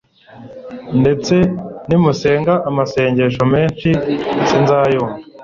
ndetse nimusenga amashengesho menshi sinzayumva